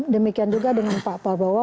demikian juga dengan pak prabowo